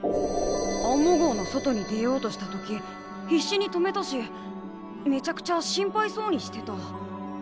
アンモ号の外に出ようとした時必死に止めたしめちゃくちゃ心配そうにしてた。